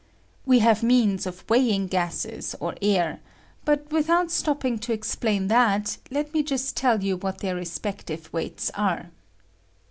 "We have means of weighing a or air ; but, without stopping to explain ■ that, let me just tell you what their respective weights are.